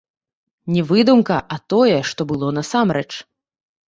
Не выдумка, а тое, што было насамрэч.